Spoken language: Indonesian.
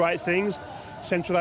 latihan yang sentral